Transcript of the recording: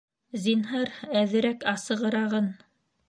Зинһар, әҙерәк асығы-рағын